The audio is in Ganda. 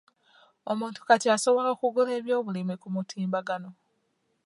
Omuntu kati asobola okugula ebyobulimi ku mutimbagano.